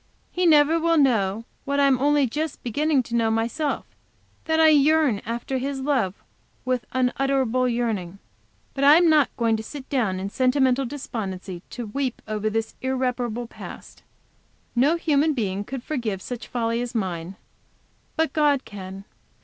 He never will know, what I am only just beginning to know myself, that I yearn after his love with unutterable yearning. I am not going to sit down in sentimental despondency to weep over this irreparable past. No human being could forgive such folly as mine; but God can.